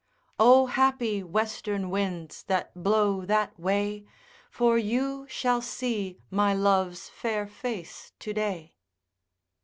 O happy western winds that blow that way, For you shall see my love's fair face to day.